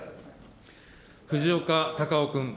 藤岡隆雄君。